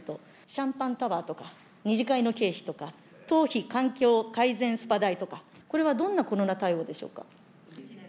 シャンパンタワーとか、二次会の経費とか、頭皮環境改善スパ代とか、これはどんなコロナ対応でしょうか。